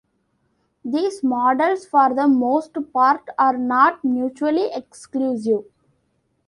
These models, for the most part, are not mutually exclusive.